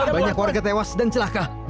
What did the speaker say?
banyak warga tewas dan celaka